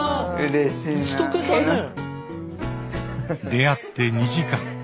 出会って２時間。